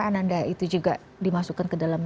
kenapa nanda itu juga dimasukkan ke dalam